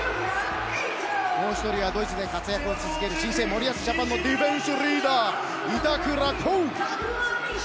もう１人はドイツで活躍を続ける新生森保ジャパンのディフェンスリーダー、板倉滉。